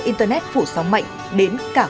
internet phủ sóng mạnh đến cả